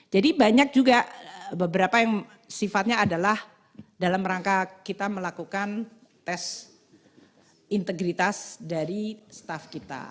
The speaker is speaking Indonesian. jadi banyak juga beberapa yang sifatnya adalah dalam rangka kita melakukan tes integritas dari staff kita